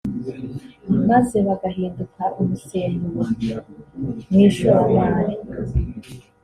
maze bagahinduka umusemburo mu ishoramari